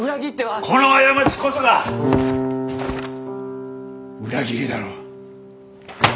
この過ちこそが裏切りだろう？